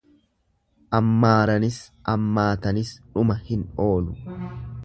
Ammaaranis ammatanis dhuma hin oolu.